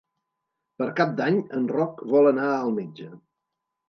Per Cap d'Any en Roc vol anar al metge.